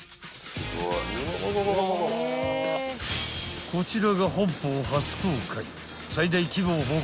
［こちらが本邦初公開］